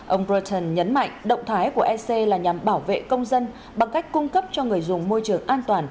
ông britain nhấn mạnh động thái của ec là nhằm bảo vệ công dân bằng cách cung cấp cho người dùng môi trường an toàn